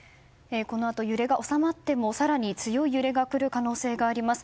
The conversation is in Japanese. このあと揺れが収まっても更に強い揺れ来る可能性があります。